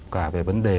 cả về vấn đề